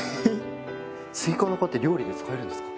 スイカの皮って料理に使えるんですか？